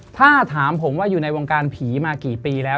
ถ้าถามผมว่าอยู่ในวงการผีมากี่ปีแล้ว